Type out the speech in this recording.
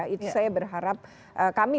itu saya berharap kami